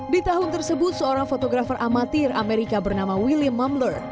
di tahun tersebut seorang fotografer amatir amerika bernama william mumler